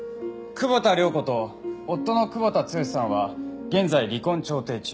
久保田涼子と夫の久保田剛さんは現在離婚調停中。